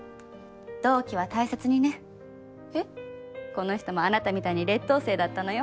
この人もあなたみたいに劣等生だったのよ。